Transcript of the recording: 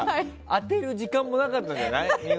充てる時間もなかったんじゃない。